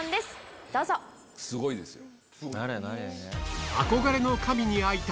すごいですよ。